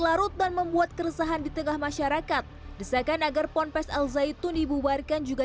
larut dan membuat keresahan di tengah masyarakat desakan agar ponpes al zaitun ibubarkan juga